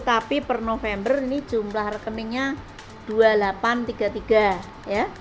tapi per november ini jumlah rekeningnya dua puluh delapan tiga puluh tiga ya